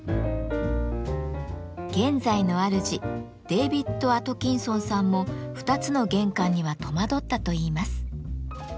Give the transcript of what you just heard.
現在のあるじデービッド・アトキンソンさんも２つの玄関には戸惑ったといいます。